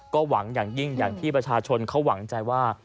ก็หวังอย่างยิ่งอย่างที่ประชาชนเขาหวังใจว่า